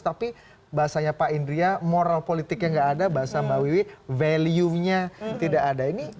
tapi bahasanya pak indri ya moral politiknya enggak ada bahasa mbak wiwi valuenya tidak ada